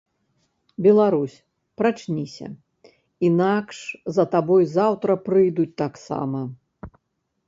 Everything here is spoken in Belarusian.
Беларусь, прачніся, інакш за табой заўтра прыйдуць таксама.